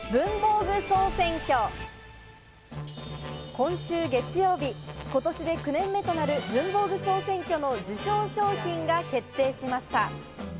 今週月曜日、今年で９年目となる文房具総選挙の受賞商品が決定しました。